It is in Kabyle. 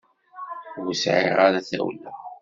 Ur sɛiɣ ara tawla.